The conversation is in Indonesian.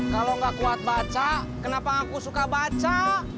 kalo gak kuat baca kenapa aku suka baca